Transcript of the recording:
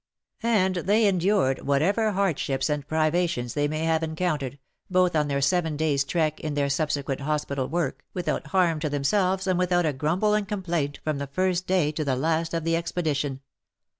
And they endured whatever hardships and privations they may have en countered, both on their seven days' trek and in their subsequent hospital work, without harm to themselves and without a grumble and com plaint, from the first day to the last of the ex pedition.